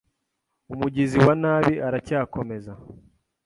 Umugizi wa nabi aracyakomeza.